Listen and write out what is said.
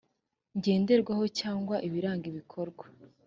ngenderwaho cyangwa ibiranga ibikorwa